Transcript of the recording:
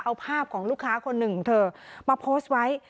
เอาภาพของลูกค้าคนหนึ่งของเธอมาโพสต์ไว้